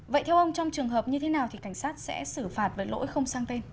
vậy theo ông trong trường hợp như thế nào thì cảnh sát sẽ xử phạt với lỗi không sang tên